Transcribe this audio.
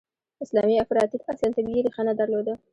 اسلامي افراطیت اصلاً طبیعي ریښه نه درلوده.